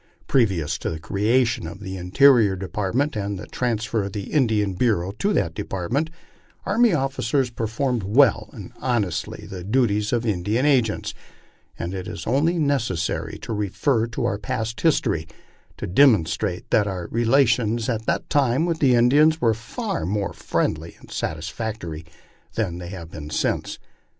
Previous to the creation of the Interior Department and the transfer of the Indian Bureau to that department, army officers performed well and honestly the duties of Indian agents, and it is only necessary to refer to our past history to demonstrate that our relations at that time with the Indians were far more friendly and satisfactory than they have been since.